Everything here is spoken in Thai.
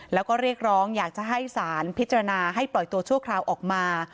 แล้วก็เรียกร้องอยากจะให้สารพิจารณาให้ปล่อยตัวชั่วคราวออกมา